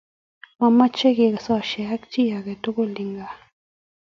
Mameche kesosie ak chi age tugul eng' gaa